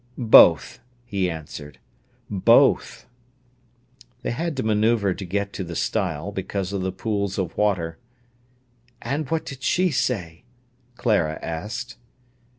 "Both," he answered—"both!" They had to manœuvre to get to the stile, because of the pools of water. "And what did she say?" Clara asked.